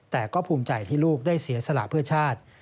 แต่ก็ภูมิใจที่ลูกได้เสียสละเพื่อชาติ